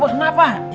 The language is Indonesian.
pak bos kenapa